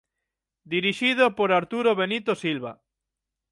Dirixido por Arturo Benito Silva.